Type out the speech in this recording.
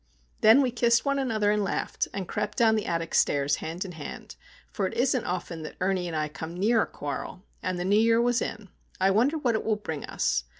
Then we kissed one another, and laughed, and crept down the attic stairs hand in hand;—for it isn't often that Ernie and I come near a quarrel, and the New Year was in. I wonder what it will bring us?